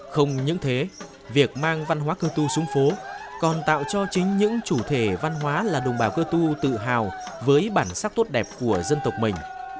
không những thế việc mang văn hóa cơ tu xuống phố còn tạo cho chính những chủ thể văn hóa là đồng bào cơ tu tự hào với bản sắc tốt đẹp của dân tộc mình